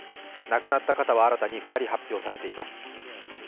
亡くなった方は新たに２人発表されています。